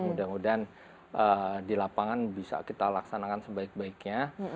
mudah mudahan di lapangan bisa kita laksanakan sebaik baiknya